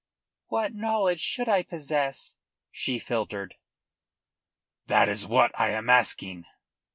"What knowledge should I possess?" she filtered. "That is what I am asking."